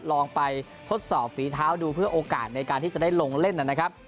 ลองไปทดสอบฝีเท้าดูเพื่อโอกาสในการที่จะได้ลงเล่นนะครับ